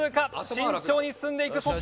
慎重に進んでいく粗品。